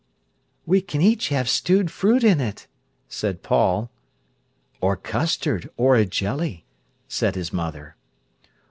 "We c'n have stewed fruit in it," said Paul. "Or custard, or a jelly," said his mother.